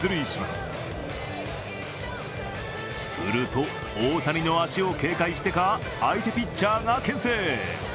すると、大谷の足を警戒してか相手ピッチャーがけん制。